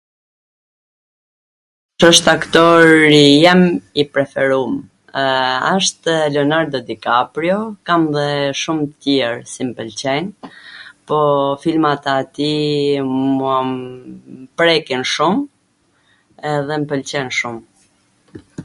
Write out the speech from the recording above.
[kush] wsht aktori jem i preferum. Ashtw Leonardo Di Caprio dhe shum tjer, si m pwlqejn, po filmat atij mua m prekin shum edhe m pwlqen shum.